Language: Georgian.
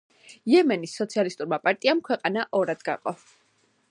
იემენის სოციალისტურმა პარტიამ ქვეყანა ორად გაყო.